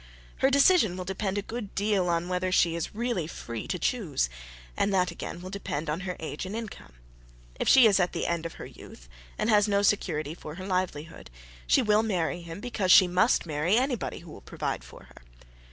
Her decision will depend a good deal on whether she is really free to choose; and that, again, will depend on her age and income. If she is at the end of her youth, and has no security for her livelihood, she will marry him because she must marry anybody who will provide for her.